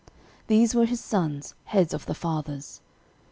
These were his sons, heads of the fathers.